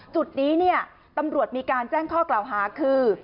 จุดนี้เนี่ยตำรวจมีการแจ้งข้อกล่าวหาคือ